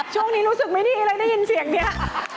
ช่วงนี้รู้สึกไม่ดีเลยได้ยินเสียงนี้